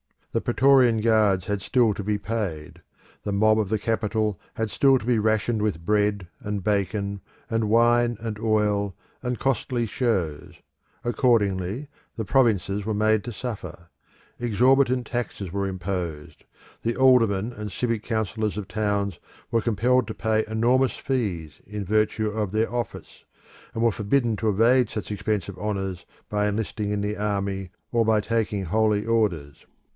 The Praetorian Guards had still to be paid; the mob of the capital had still to be rationed with bread, and bacon, and wine, and oil, and costly shows. Accordingly the provinces were made to suffer. Exorbitant taxes were imposed: the aldermen and civil councillors of towns were compelled to pay enormous fees in virtue of their office, and were forbidden to evade such expensive honours by enlisting in the army, or by taking holy orders.